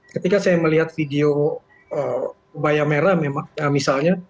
ketika saya melihat video kebaya merah misalnya